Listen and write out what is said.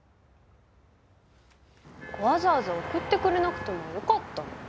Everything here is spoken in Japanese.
わざわざ送ってくれなくてもよかったのに。